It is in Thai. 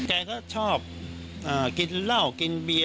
แกก็ชอบกินเหล้ากินเบียร์